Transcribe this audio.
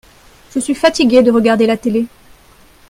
Je suis fatigué de regarder la télé.